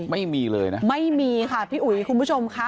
ไม่มีเลยนะไม่มีค่ะพี่อุ๋ยคุณผู้ชมค่ะ